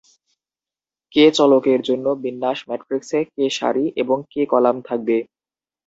কে চলকের জন্য, বিন্যাস ম্যাট্রিক্সে কে সারি এবং কে কলাম থাকবে।